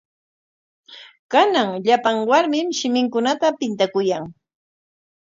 Kanan llapan warmim shiminkunata pintakuyan.